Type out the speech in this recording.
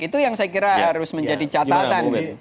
itu yang saya kira harus menjadi catatan